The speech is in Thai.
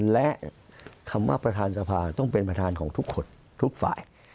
และคำว่าประธานสภาต้องเป็นประธานของทุกคนทุกฝ่าย